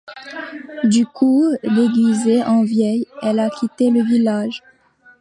Du coup, déguisée en vieille, elle a quitté le village.